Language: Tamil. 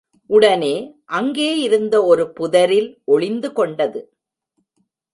உடனே அங்கே இருந்த ஒரு புதரில் ஒளிந்து கொண்டது.